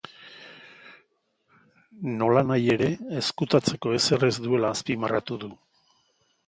Nolanahi ere, ezkutatzeko ezer ez duela azpimarratu du.